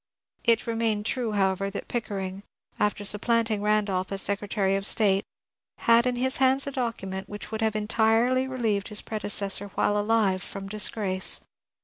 It remained true, however, that Picker ing, after supplanting Randolph as Secretary of State, had in his hands a documeiit which would have entirely relieved his predecessor while alive from disgrace.